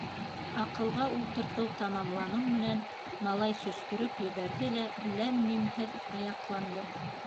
«Аҡылға ултыртыу» тамамланыу менән малай сөскөрөп ебәрҙе лә ләм-мимһеҙ аяҡланды.